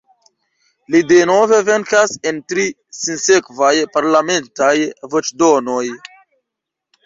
Li denove venkas en tri sinsekvaj parlamentaj voĉdonoj.